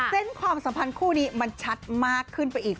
ความสัมพันธ์คู่นี้มันชัดมากขึ้นไปอีก